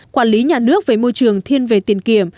quản lý nhà nước về môi trường thiên về tiền kiểm